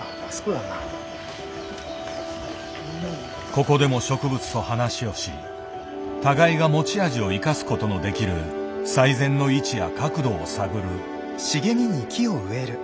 ここでも植物と話をし互いが持ち味を生かすことのできる最善の位置や角度を探る。